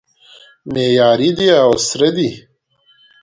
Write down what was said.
معیاري دی او سره دی